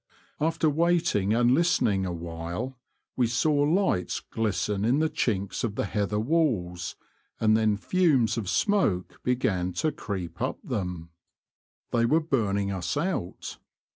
After waiting and listening awhile we saw lights glisten in the chinks of the heather walls, and then fumes of smoke began to creep up them. They were burning us out.